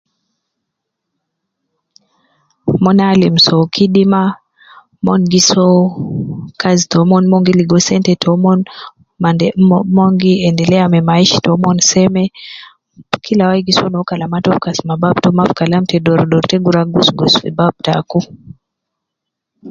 Mon alim so kidima mon gi Soo kazi toumon mon gi ligo sente toumon maden mon gi endeleya me maishi toumon seme, Kila wai gi so kalama to fi kasuma baba to mafi Kalam ta dor dor fi kasuma baba ta aku.